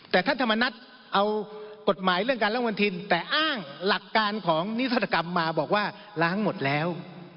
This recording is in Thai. แต่ท่านธรรมนัฐเอากฎหมายเรื่องการล้างบนทินแต่อ้างหลักการของนิทธกรรมมาบอกว่าล้างหมดแล้ว